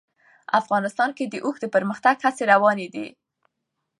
افغانستان کې د اوښ د پرمختګ هڅې روانې دي.